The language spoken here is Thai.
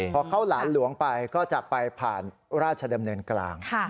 พอเข้าหลานหลวงไปก็จะไปผ่านราชดำเนินกลาง